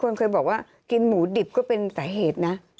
คนเคยบอกว่ากินหมูดิบก็เป็นสาเหตุนะ